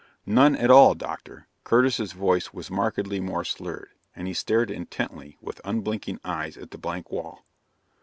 "None at all, Doctor." Curtis's voice was markedly more slurred, and he stared intently with unblinking eyes at the blank wall.